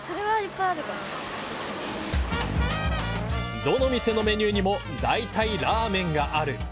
どの店のメニューにもだいたいラーメンがある。